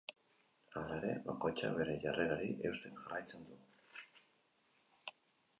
Hala ere, bakoitzak bere jarrerari eusten jarraitzen du.